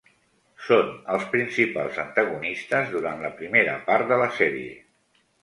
Són els principals antagonistes durant la primera part de la sèrie.